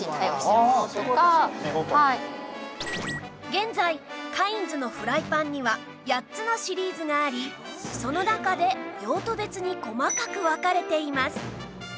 現在カインズのフライパンには８つのシリーズがありその中で用途別に細かく分かれています